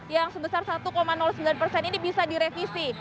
yang sebesar satu sembilan persen ini bisa direvisi